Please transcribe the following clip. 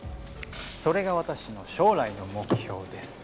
「それが私の将来の目標です」